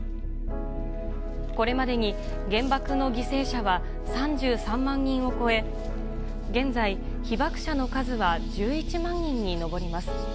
これまでに原爆の犠牲者は３３万人を超え、現在、被爆者の数は１１万人に上ります。